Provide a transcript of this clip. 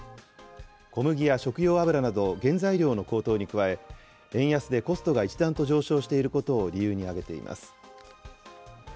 小麦や食用油など原材料の高騰に加え、円安でコストが一段と上昇していることを理由に挙げています。